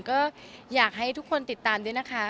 ก็อยากให้ทุกคนติดตามด้วยนะคะ